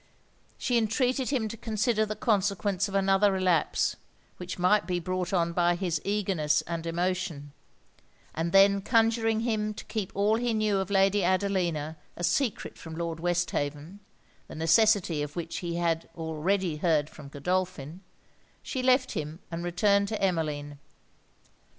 She entreated him to consider the consequence of another relapse, which might be brought on by his eagerness and emotion; and then conjuring him to keep all he knew of Lady Adelina a secret from Lord Westhaven (the necessity of which he already had heard from Godolphin) she left him and returned to Emmeline.